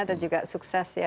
dan juga sukses ya